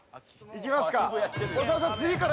いきます